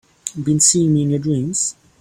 Been seeing me in your dreams?